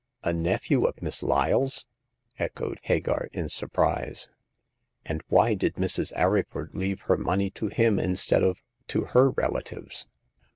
A nephew of Miss Lyle's !" echoed Hagar, in surprise. And why did Mrs. Arryford leave her money to him instead of to her relatives